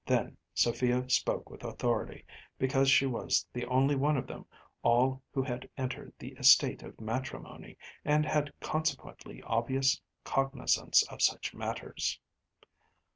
Then Sophia spoke with authority, because she was the only one of them all who had entered the estate of matrimony, and had consequently obvious cognizance of such matters.